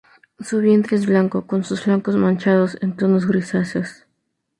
Su vientre es blanco, con sus flancos manchados en tonos grisáceos.